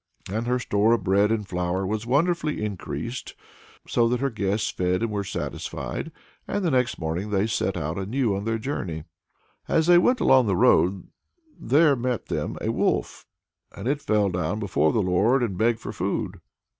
And her store of bread and flour was wonderfully increased, so that her guests fed and were satisfied. And the next morning they set out anew on their journey. As they went along the road there met them a wolf. And it fell down before the Lord, and begged for food.